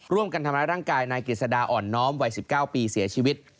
ร่วมกันทำร้ายร่างกายนายกฤษดาอ่อนน้อมวัย๑๙ปีเสียชีวิต